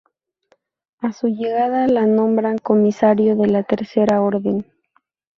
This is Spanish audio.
A su llegada le nombran Comisario de la tercera Orden.